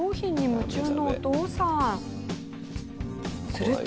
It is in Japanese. すると。